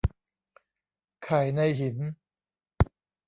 ไข่ในหิน